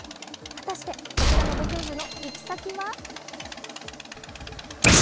果たしてこちらのご夫婦の行き先は？